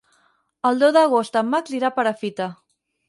El deu d'agost en Max irà a Perafita.